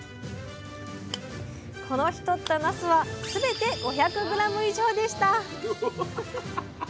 この日とったなすはすべて５００ｇ以上でした。